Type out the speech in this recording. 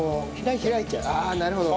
ああなるほど。